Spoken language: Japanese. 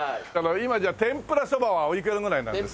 今じゃあ天ぷらそばはおいくらぐらいなんですか？